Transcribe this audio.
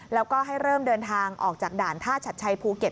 แล้วก็ให้เริ่มเดินทางออกจากด่านท่าชัดชัยภูเก็ต